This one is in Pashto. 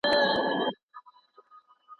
د څيړني پروسه کله ډېره اوږده سي.